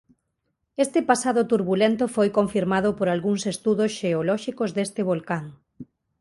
Este pasado turbulento foi confirmado por algúns estudos xeolóxicos deste volcán.